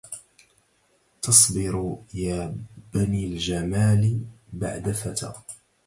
تصبروا يا بني الجمال بعد فتى